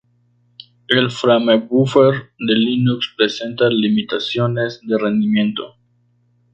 El framebuffer de Linux presenta limitaciones de rendimiento.